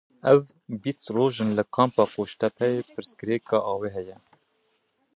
Ev bîst roj in li kampa Qûştepeyê pirsgirêka avê heye.